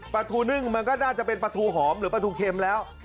ปลาทูนึ่งมันก็น่าจะเป็นปลาทูหอมหรือปลาทูเค็มแล้ว